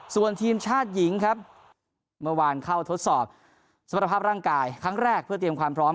ส่วนทีมชาติหญิงครับเมื่อวานเข้าทดสอบสมรรถภาพร่างกายครั้งแรกเพื่อเตรียมความพร้อม